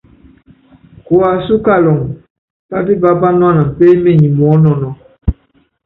Kuasú kaluŋɔ, patipá panuanan pééminenyi muɔ́nɔnɔ́.